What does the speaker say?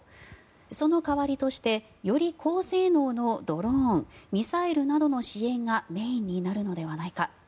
その代わりとしてより高性能のドローン、ミサイルなどの支援がメインになるのではないか。